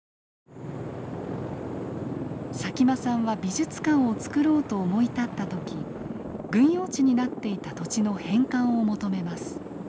佐喜眞さんは美術館をつくろうと思い立った時軍用地になっていた土地の返還を求めます。